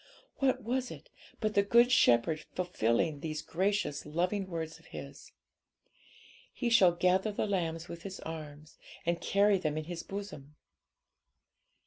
What was it, but the Good Shepherd fulfilling those gracious loving words of His 'He shall gather the lambs with His arm, and carry them in His bosom'?